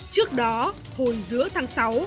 trước đó hồi giữa tháng sáu